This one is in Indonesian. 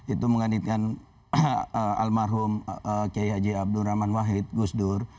itu mengandalkan almarhum kiai haji abdul rahman wahid gusdur